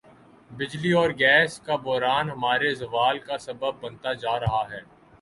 بجلی اور گیس کا بحران ہمارے زوال کا سبب بنتا جا رہا ہے